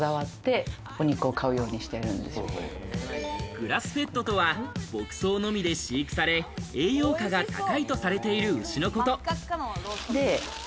グラスフェッドとは、牧草のみで飼育され、栄養価が高いとされている牛のこと。